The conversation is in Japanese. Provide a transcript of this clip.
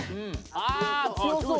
ああ強そう！